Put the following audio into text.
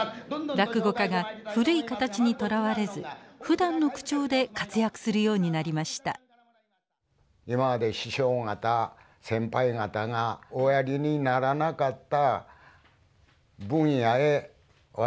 落語家が古い形にとらわれずふだんの口調で活躍するようになりました。